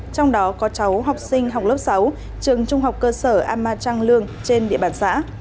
trong đó có cháu học sinh học lớp sáu trường trung học cơ sở ama trang lương trên địa bàn xã